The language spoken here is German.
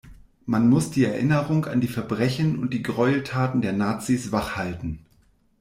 Man muss die Erinnerung an die Verbrechen und die Gräueltaten der Nazis wach halten.